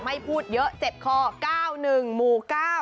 ไม่พูดเยอะเจ็บคอ๙๑หมู่๙